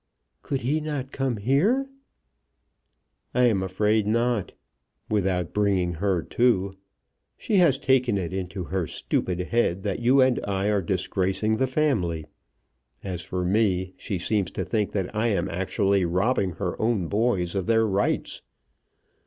"Could he not come here?" "I am afraid not, without bringing her too. She has taken it into her stupid head that you and I are disgracing the family. As for me, she seems to think that I am actually robbing her own boys of their rights.